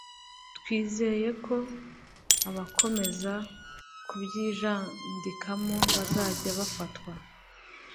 twizeyeko abazakomeza kubyijandikamo bazajya bafatwa